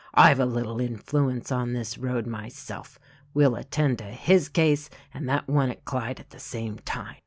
"I've a little influence on this road myself. We'll attend to his case and that one at Clyde at the same time."